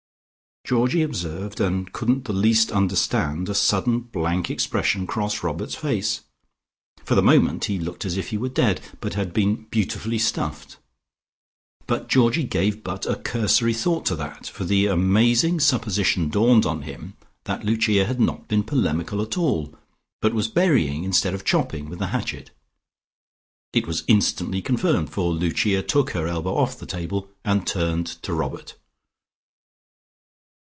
Georgie observed, and couldn't the least understand, a sudden blank expression cross Robert's face. For the moment he looked as if he were dead but had been beautifully stuffed. But Georgie gave but a cursory thought to that, for the amazing supposition dawned on him that Lucia had not been polemical at all, but was burying instead of chopping with the hatchet. It was instantly confirmed, for Lucia took her elbow off the table, and turned to Robert.